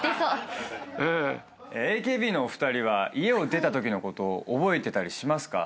ＡＫＢのお二人は家を出たときのこと覚えてたりしますか？